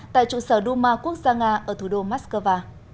tại trụ sở duma quốc gia nga ở thủ đô moscow